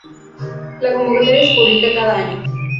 La convocatoria se publica cada año.